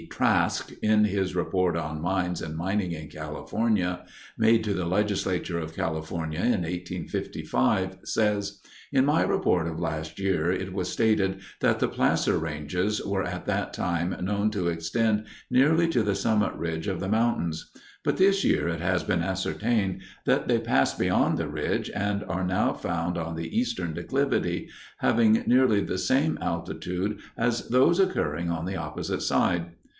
Trask, in his report on mines and mining in California, made to the legislature of California in 1855, says: "In my report of last year, it was stated that the placer ranges were at that time known to extend nearly to the summit ridge of the mountains; but this year it has been ascertained that they pass beyond the ridge and are now found on the eastern declivity, having nearly the same altitude as those occurring on the opposite side.